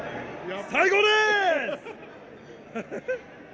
最高です。